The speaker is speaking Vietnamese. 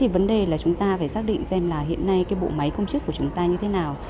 vấn đề là chúng ta phải xác định xem là hiện nay bộ máy công chức của chúng ta như thế nào